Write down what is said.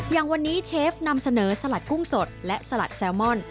อย่างวันนี้เชฟนำเสนอสลัดกุ้งสดและสลัดแซลมอน